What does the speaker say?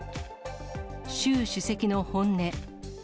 習主席の本音。